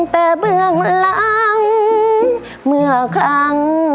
แต่เบื้องหลังเมื่อครั้ง